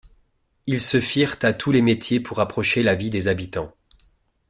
Ils se firent à tous les métiers pour approcher la vie des habitants.